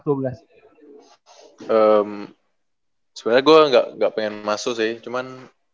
sebenarnya gue gak pengen masuk sih cuman